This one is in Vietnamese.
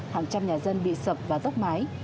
hàng trăm nhà dân bị sập và tóc mái